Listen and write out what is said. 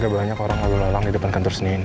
gak banyak orang orang di depan kantor nino